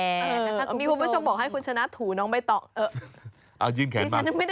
เออมีผู้ผู้ชมบอกให้คุณชนะถูนเขาไปต่อ